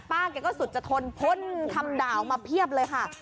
แกก็สุดจะทนพ่นคำด่ามาเพียบเลยค่ะ